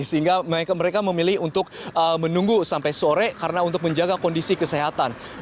sehingga mereka memilih untuk menunggu sampai sore karena untuk menjaga kondisi kesehatan